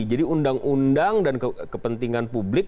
jadi undang undang dan kepentingan publik